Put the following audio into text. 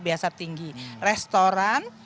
biasa tinggi restoran